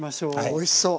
おいしそう！